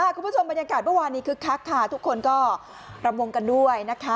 คุณผู้ชมบรรยากาศเมื่อวานนี้คึกคักค่ะทุกคนก็รำวงกันด้วยนะคะ